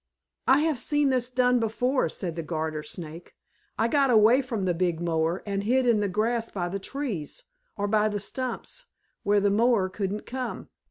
"I have seen this done before," said the Garter Snake. "I got away from the big mower, and hid in the grass by the trees, or by the stumps where the mower couldn't come.